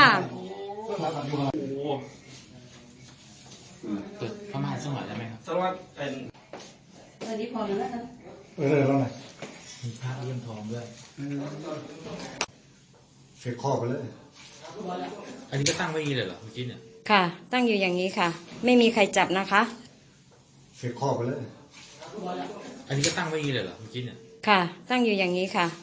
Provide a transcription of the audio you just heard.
อันนี้ก็ตั้งไว้อย่างงี้เลยหรอหัวจีนค่ะตั้งอยู่อย่างงี้ค่ะ